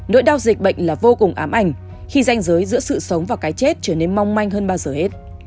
nỗi đau dịch bệnh là vô cùng ám ảnh khi danh giới giữa sự sống và cái chết trở nên mong manh hơn bao giờ hết